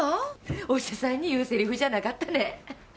お医者さんに言うせりふじゃながったね。